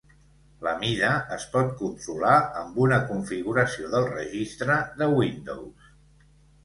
La mida es pot controlar amb una configuració del registre de Windows.